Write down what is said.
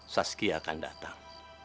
saskia akan datang